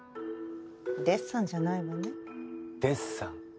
デッサンじゃないわねでっさん？